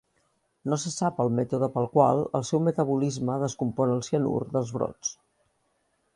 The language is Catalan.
No se sap el mètode pel qual el seu metabolisme descompon el cianur dels brots.